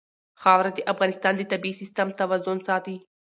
خاوره د افغانستان د طبعي سیسټم توازن ساتي.